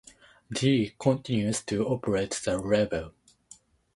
Gee continues to operate the label.